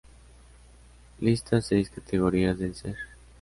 Lista seis categorías del Ser.